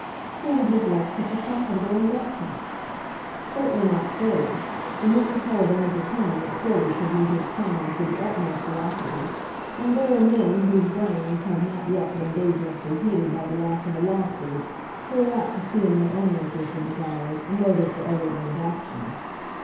Who would neglect such a profitable investment? Certainly not Furley, for Mr Tulliver had determined that Furley should meet his plans with the utmost alacrity; and there are men whoses brains have not yet been dangerously heated by the loss of a lawsuit, who are apt to see in their own interest or desires a motive for other men's actions.